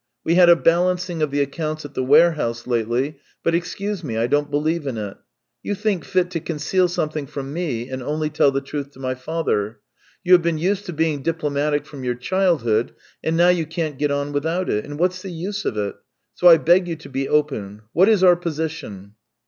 We had a balancing of the accounts at the ware house lately, but, excuse me, I don't believe in it; you thiftk fit to conceal something from me and only tell the truth to my father. You have been used to being diplomatic from your childhood, THREE YEARS 307 and now you can't get on without it. And what's the use of it ? So I beg you to be open. What is our position